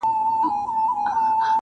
د وصال سراب ته ګورم، پر هجران غزل لیکمه٫